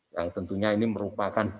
yang tentunya ini merupakan